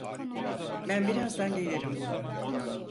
Ben birazdan gelirim.